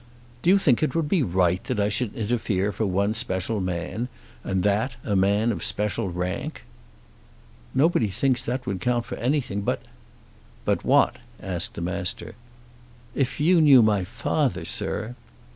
"Do you think it would be right that I should interfere for one special man, and that a man of special rank?" "Nobody thinks that would count for anything. But " "But what?" asked the Master. "If you knew my father, sir!"